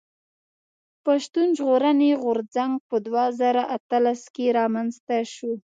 پښتون ژغورني غورځنګ په دوه زره اتلس کښي رامنځته شو.